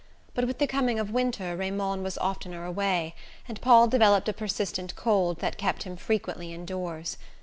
But with the coming of winter Raymond was oftener away, and Paul developed a persistent cold that kept him frequently indoors.